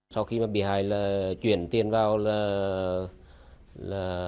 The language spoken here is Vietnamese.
sau khi bị hại là chuyển tiền vào là